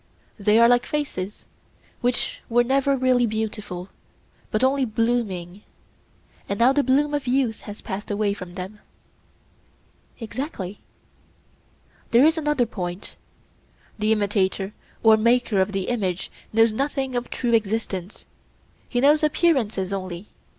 They are like faces which were never really beautiful, but only blooming; and now the bloom of youth has passed away from them? Exactly. Here is another point: The imitator or maker of the image knows nothing of true existence; he knows appearances only.